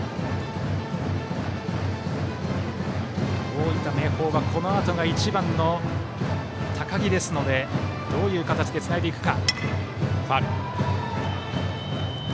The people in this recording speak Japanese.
大分・明豊はこのあとが１番、高木ですのでどういう形でつないでいくか。